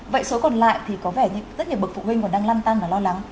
vậy số còn lại thì có vẻ như rất nhiều bậc phụ huynh còn đang lăn tăng và lo lắng